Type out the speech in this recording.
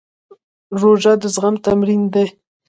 روژه د زغم تمرین دی.